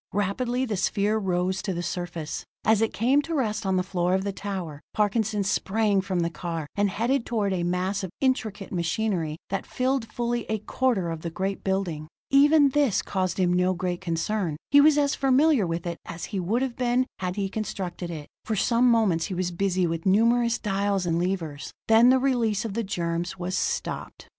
Rapidly the sphere rose to the surface. As it came to rest on the floor of the tower, Parkinson sprang from the car, and headed toward a mass of intricate machinery that filled fully a quarter of the great building. Even this caused him no great concern; he was as familiar with it as he would have been had he constructed it. For some moments he was busy with numerous dials and levers; then the release of the germs was stopped.